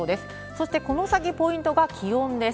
そして、この先ポイントが気温です。